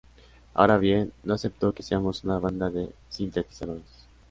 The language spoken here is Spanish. Ahora bien, no acepto que seamos una banda de sintetizadores.